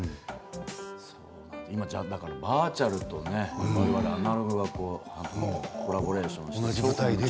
今、だからバーチャルとねアナログがコラボレーションして。